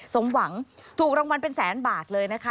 สมหวังถูกรางวัลเป็นแสนบาทเลยนะคะ